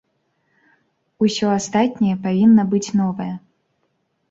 Усё астатняе павінна быць новае.